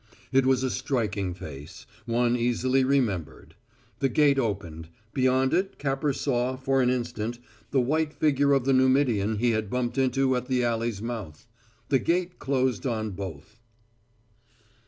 It was a striking face one easily remembered. The gate opened; beyond it Capper saw, for an instant, the white figure of the Numidian he had bumped into at the alley's mouth. The gate closed on both.